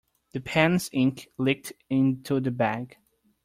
The pen's ink leaked into the bag.